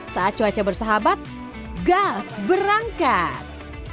saat cuaca bersahabat gas berangkat